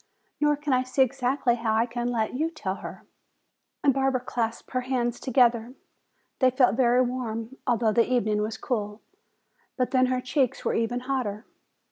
Nor can I see exactly how I can let you tell her." Barbara clasped her hands together. They felt very warm, although the evening was cool. But then her cheeks were even hotter.